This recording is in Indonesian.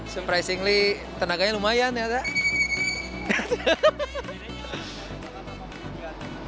suprisingly tenaganya lumayan ya teg